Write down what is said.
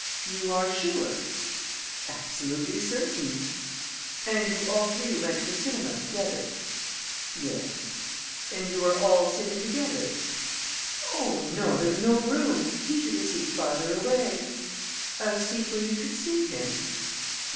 "You are sure?" "Absolutely certain." "And you all three went to the cinema together?" "Yes." "And you were all sitting together?" "Oh, no! There was no room. He took a seat farther away." "A seat where you could see him?"